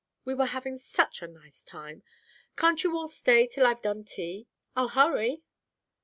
We were having such a nice time! Can't you all stay till I've done tea? I'll hurry!"